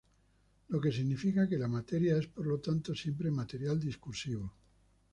Lo que significa que la materia es por lo tanto siempre material discursivo.